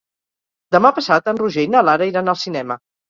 Demà passat en Roger i na Lara iran al cinema.